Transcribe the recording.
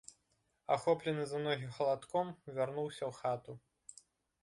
Ахоплены за ногі халадком, вярнуўся ў хату.